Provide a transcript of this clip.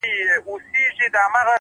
پوهه د شکونو تیاره لرې کوي,